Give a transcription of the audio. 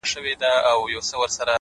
o زه به د څو شېبو لپاره نور ـ